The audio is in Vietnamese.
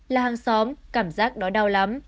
là hàng xóm cảm giác đó đau lắm